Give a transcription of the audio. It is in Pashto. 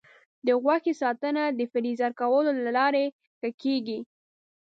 د غوښې ساتنه د فریز کولو له لارې ښه کېږي.